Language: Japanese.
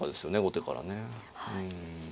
後手からね。